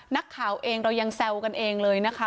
นักข่าวเองเรายังแซวกันเองเลยนะคะ